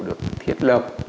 được thiết lập